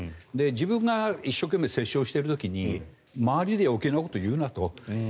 自分が一生懸命折衝してる時に周りが余計なことを言うなと。